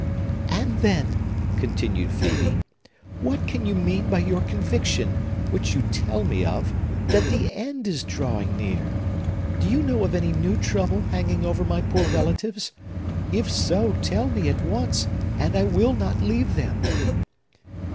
"And then," continued Phœbe, "what can you mean by your conviction, which you tell me of, that the end is drawing near? Do you know of any new trouble hanging over my poor relatives? If so, tell me at once, and I will not leave them!"